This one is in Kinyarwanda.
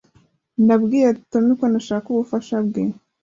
Nabwiye Tom ko ntashaka ubufasha bwe.